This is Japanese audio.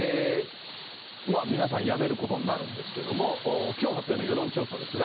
皆さん、辞めることになるんですけれども、きょう発表の世論調査ですが。